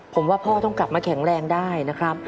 ผมว่าพ่อต้องกลับมาแข็งแรงได้นะครับ